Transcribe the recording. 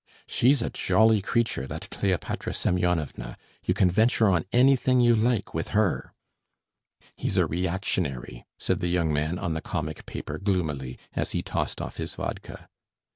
She's a jolly creature that Kleopatra Semyonovna, you can venture on anything you like with her." "He's a reactionary," said the young man on the comic paper gloomily, as he tossed off his vodka.